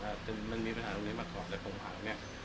ใช่ใช่มันมีปัญหาตรงนี้มาขอบในภูมิภาคเนี่ย